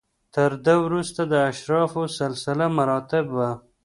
تر ده وروسته د اشرافو سلسله مراتب و